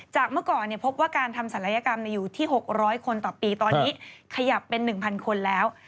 เมื่อก่อนพบว่าการทำศัลยกรรมอยู่ที่๖๐๐คนต่อปีตอนนี้ขยับเป็น๑๐๐คนแล้ว